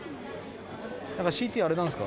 ＣＴあれなんですか？